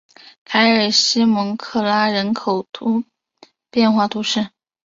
凯尔西的蒙克拉人口变化图示